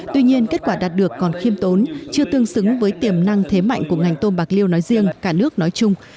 tuy nhiên kết quả đạt được còn khiêm tốn chưa tương xứng với tiềm năng thế mạnh của ngành tôm bạc liêu nói riêng cả nước nói chung